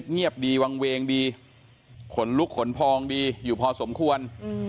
เงียบดีวางเวงดีขนลุกขนพองดีอยู่พอสมควร